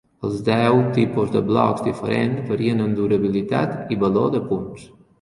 Els deu tipus de blocs diferents varien en durabilitat i valor de punts.